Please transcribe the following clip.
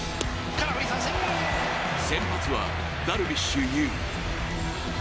先発はダルビッシュ有。